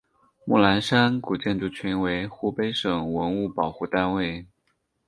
木兰山古建筑群为湖北省文物保护单位。